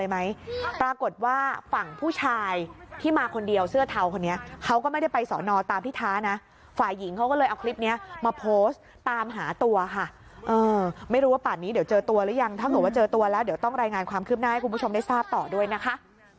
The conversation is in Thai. ไม่รู้ว่าป่านนี้เดี๋ยวเจอตัวหรือยังถ้าเกิดว่าเจอตัวแล้วเดี๋ยวต้องรายงานความคืบหน้าให้คุณผู้ชมได้ทราบต่อด้วยนะคะ